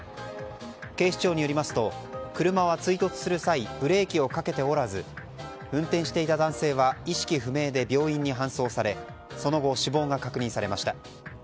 警視庁によりますと車は追突する際ブレーキをかけておらず運転していた男性は行方不明で病院に搬送されその後、死亡が確認されました。